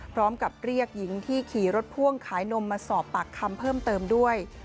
พร้อมกับเรียกหญิงที่ขี่รถพ่วงขายนมมาสอบปากคำเพิ่มเติมด้วย